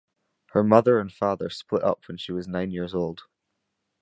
Her mother and father split up when she was nine years old.